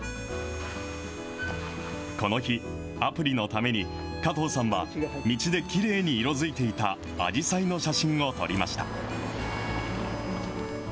この日、アプリのために、加藤さんは、道できれいに色づいていたアジサイの写真を撮りました。